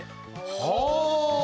はあ！